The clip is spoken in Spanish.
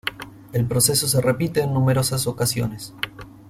El proceso se repite en numerosas ocasiones.